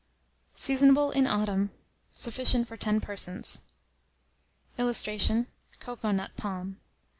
Seasonable in Autumn. Sufficient for 10 persons. [Illustration: COCOA NUT PALM.